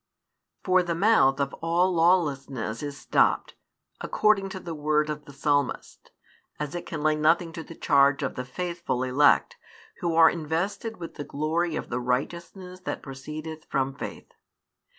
For the mouth of all lawlessness is stopped, according to the word of the Psalmist, as it can lay nothing to the charge of the faithful elect, who are invested with the glory of the righteousness that proceedeth from faith.